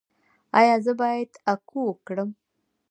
ایا زه باید اکو وکړم؟